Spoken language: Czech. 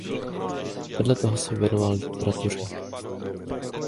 Vedle toho se věnoval literatuře.